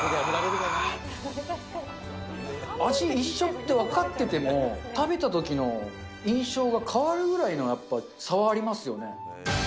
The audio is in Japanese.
味一緒って分かってても、食べたときの印象が変わるぐらいのやっぱ、差はありますよね。